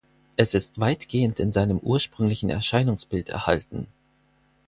Es ist weitgehend in seinem ursprünglichen Erscheinungsbild erhalten.